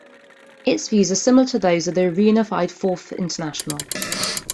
Its views are similar to those of the reunified Fourth International.